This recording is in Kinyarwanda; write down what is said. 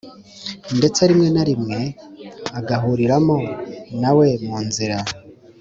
ndetse rimwe na rimwe agahuriramo nawe mu nzira